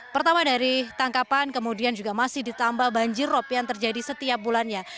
pertama dari tangkapan kemudian juga masih ditambah banjir rop yang terjadi setiap bulannya